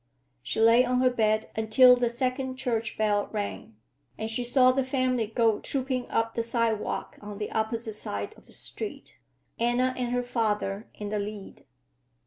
She lay on her bed until the second church bell rang, and she saw the family go trooping up the sidewalk on the opposite side of the street, Anna and her father in the lead.